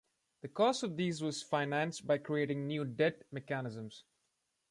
The cost of these was financed by creating new debt mechanisms.